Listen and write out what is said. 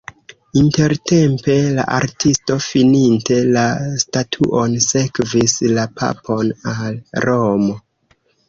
Intertempe la artisto fininte la statuon sekvis la papon al Romo.